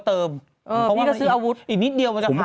เพราะว่าอีกนิดเดียวมันจะผ่านแล้ว